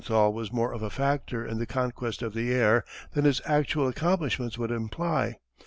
_] Lilienthal was more of a factor in the conquest of the air than his actual accomplishments would imply.